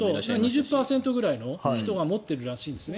２０％ぐらいの人が持っているらしいんですね